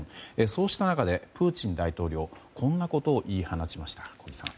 そうした中で、プーチン大統領こんなことを言い放ちました。